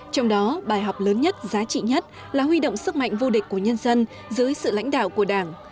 trong đó bài học lớn nhất giá trị nhất là huy động sức mạnh vô địch của nhân dân dưới sự lãnh đạo của đảng